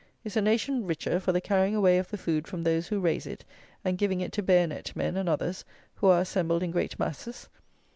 is a nation richer for the carrying away of the food from those who raise it, and giving it to bayonet men and others, who are assembled in great masses?